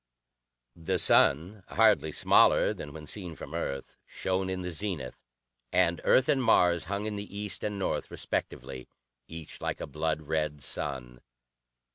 The sun, hardly smaller than when seen from Earth, shone in the zenith, and Earth and Mars hung in the east and north respectively, each like a blood red sun.